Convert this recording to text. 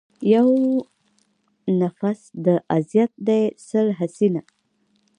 يو نٙفٙس د اذيت دې سل حسينه